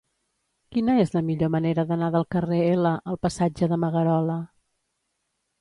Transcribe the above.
Quina és la millor manera d'anar del carrer L al passatge de Magarola?